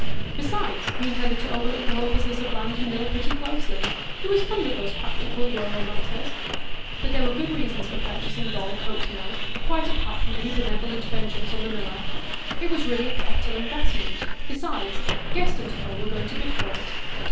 Besides, he intended to overlook the whole business of land and mill pretty closely; he was fond of these practical rural matters. But there were good reasons for purchasing Dorlcote Mill, quite apart from any benevolent vengeance on the miller. It was really a capital investment; besides, Guest &Co. were going to bid for it.